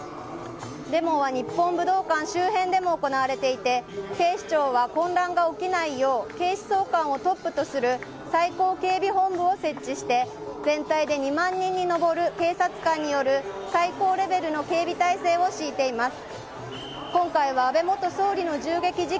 デモは日本武道館周辺でも行われていて警視庁は混乱が起きないよう警視総監をトップとする最高警備本部を設置して全体で２万人に上る警察官による最高レベルの警備態勢を敷いています。